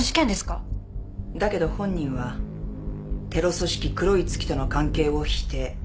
だけど本人はテロ組織黒い月との関係を否定。